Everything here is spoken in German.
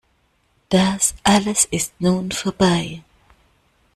Das alles ist nun vorbei.